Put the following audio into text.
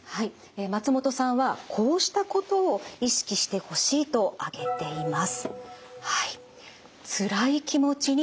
松本さんはこうしたことを意識してほしいと挙げています。